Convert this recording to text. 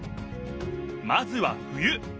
まずは冬。